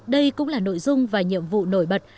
đây cũng là nội dung và nhiệm vụ nổi bật